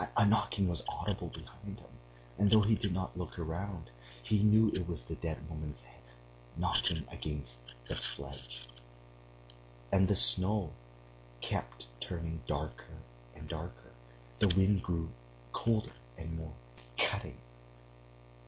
A knocking was audible behind him, and though he did not look round, he knew it was the dead woman's head knocking against the sledge. And the snow kept turning darker and darker, the wind grew colder and more cutting....